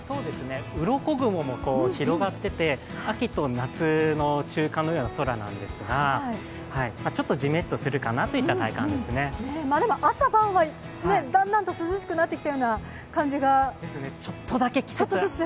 うろこ雲も広がっていて秋と夏の中間のような空なんですがちょっとじめっとするかなといった体感ですねでも朝晩はだんだんと涼しくなってきたような感じが、ちょっとずつ。